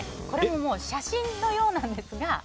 これも写真のようなんですが。